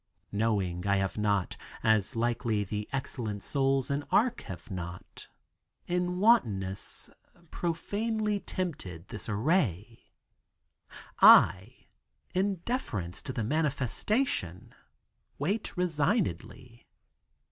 Knowing I have not, as likely the excellent souls in Arc, have not, in wantonness profanely tempted this array, I, in deference to the manifestation, wait resignedly.